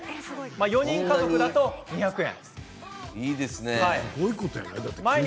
４人家族で２００円。